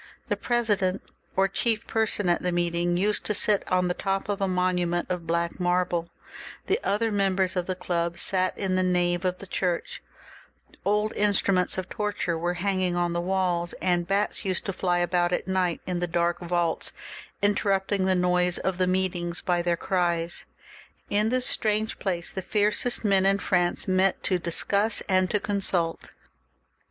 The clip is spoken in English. The president or chief per son at the meeting used to sit on the top of a monument of black marble, the other members of the club sat in the nave of the church, old instruments of torture were hang ing on the walls, and bats used to fly about at night in the dark vaults, interrupting the noise of the meetings by their cries. In this strange place the fiercest men in France met to discuss and to consult.